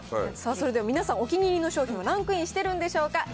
さあそれでは、皆さんお気に入りの商品、ランクインしてるんでしょうか。